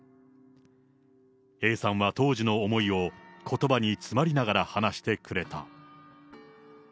Ａさんは当時の思いを、ことばに詰まりながら話してくれた。